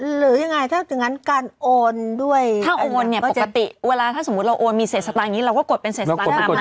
หรือยังไงถ้าอย่างนั้นการโอนด้วยถ้าโอนเนี่ยปกติเวลาถ้าสมมุติเราโอนมีเศษสตางค์นี้เราก็กดเป็นเศษสตางค์ตามมา